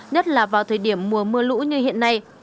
nhất là vào thời điểm mùa mưa lũ như hiện nay